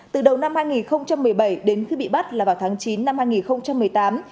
từ đầu năm hai nghìn một mươi bảy đến khi bị bắt là vào tháng chín năm hai nghìn một mươi tám